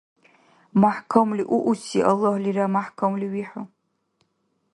МяхӀкамли ууси, Аллагьлира мяхӀкамли вихӀу.